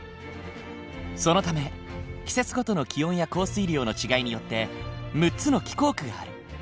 そのため季節ごとの気温や降水量の違いによって６つの気候区がある。